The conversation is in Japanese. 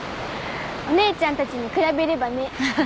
お姉ちゃんたちに比べればね。